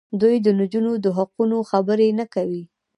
دوی د نجونو د حقونو خبرې نه کوي.